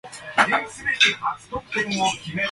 スライムチャンク